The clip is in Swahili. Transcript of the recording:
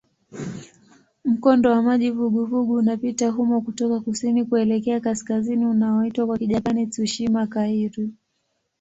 Mkondo wa maji vuguvugu unapita humo kutoka kusini kuelekea kaskazini unaoitwa kwa Kijapani "Tsushima-kairyū".